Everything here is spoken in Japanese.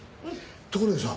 ところでさ